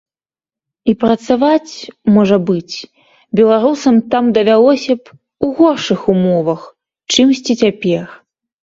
І працаваць, можа быць, беларусам там давялося б, у горшых умовах, чымсьці цяпер.